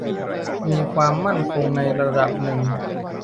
มีความมั่นคงในระดับหนึ่ง